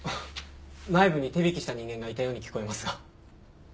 内部に手引きした人間がいたように聞こえますが。